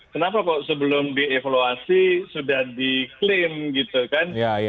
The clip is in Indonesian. kenapa kok sebelum dievaluasi sudah diklaim gitu kan